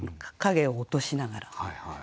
影を落としながら。